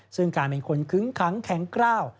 ซึ่งการเป็นคนคึ้งขังแข็งกล้าว